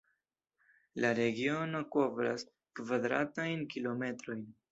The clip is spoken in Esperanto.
La regiono kovras kvadratajn kilometrojn.